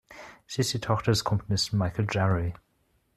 Sie ist die Tochter des Komponisten Michael Jary.